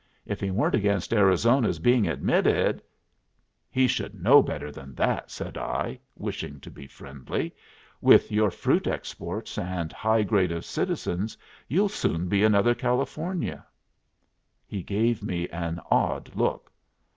If he weren't against Arizona's being admitted " "He should know better than that," said I, wishing to be friendly. "With your fruit exports and high grade of citizens you'll soon be another California." He gave me an odd look.